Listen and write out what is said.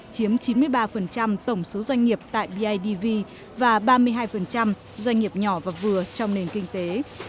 chiếm chín mươi ba tổng số doanh nghiệp tại bidv và ba mươi hai doanh nghiệp nhỏ và vừa trong nền kinh tế